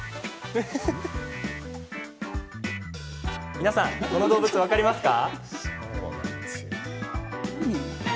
皆さんこの動物、分かりますか？